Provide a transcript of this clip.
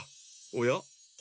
おや？